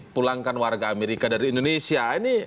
pulangkan warga amerika dari indonesia ini